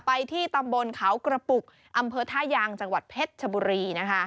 ที่ตำบลเขากระปุกอำเภอท่ายางจังหวัดเพชรชบุรีนะคะ